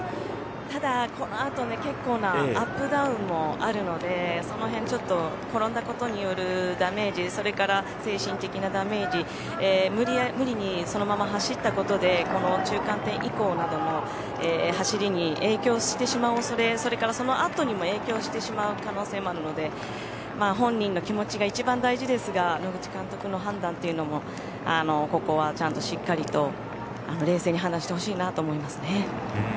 ただ、このあと結構なアップダウンもあるのでその辺、ちょっと転んだことによるダメージそれから精神的なダメージ無理にそのまま走ったことで中間点以降などの走りに影響してしまうおそれそれからそのあとにも影響してしまう可能性もあるので本人の気持ちが一番大事ですが野口監督の判断というのもここはちゃんとしっかりと冷静に判断してほしいなと思いますね。